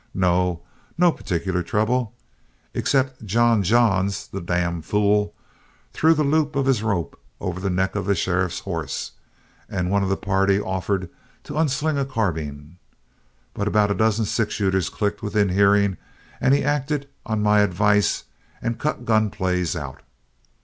No no particular trouble, except John Johns, the d fool, threw the loop of his rope over the neck of the sheriff's horse, and one of the party offered to unsling a carbine. But about a dozen six shooters clicked within hearing, and he acted on my advice and cut gun plays out.